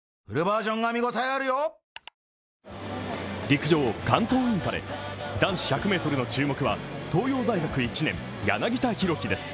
ＪＴ陸上関東インカレ男子１００ｍの注目は東洋大学１年柳田大輝です。